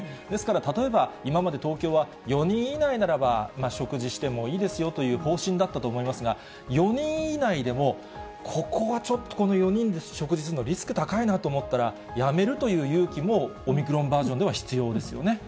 ですから例えば、今まで東京は４人以内ならば、食事してもいいですよという方針だったと思いますが、４人以内でも、ここはちょっとこの４人で食事するのはリスク高いなと思ったら、やめるという勇気もオミクロンバージョンでは必要ですよね。